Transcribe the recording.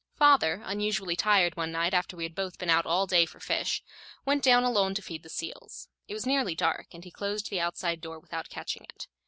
Father, unusually tired one night after we had both been out all day for fish, went down alone to feed the seals. It was nearly dark, and he closed the outside door without catching it.